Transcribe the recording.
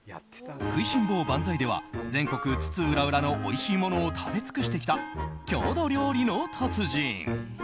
万才」では全国津々浦々のおいしいものを食べ尽くしてきた郷土料理の達人。